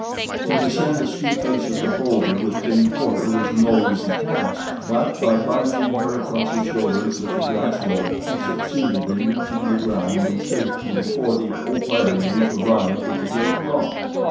To descend the steep face of the bowlder with Jane Porter was no easy task, but by binding her across his shoulders with the grass rope he succeeded in reaching the ground in safety before the Oparians arrived at the great rock.